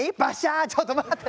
ちょっと待って！